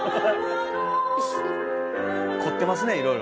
凝ってますねいろいろ。